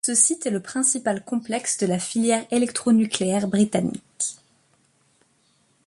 Ce site est le principal complexe de la filière électronucléaire britannique.